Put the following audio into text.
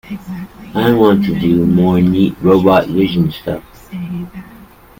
I want to do more neat robot vision stuff.